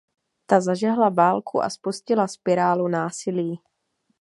Ta zažehla válku a spustila spirálu násilí.